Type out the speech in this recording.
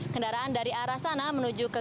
kendaraan dari arah sana menuju ke